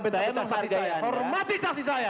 saya menghargai anda